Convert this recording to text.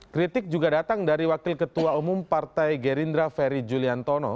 kritik juga datang dari wakil ketua umum partai gerindra ferry juliantono